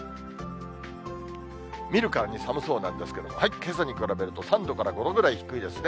見るからに寒そうなんですけれども、けさに比べると３度から５度ぐらい低いですね。